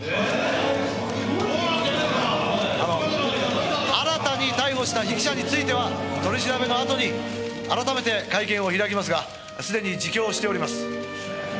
「あの新たに逮捕した被疑者については取り調べのあとに改めて会見を開きますがすでに自供をしております」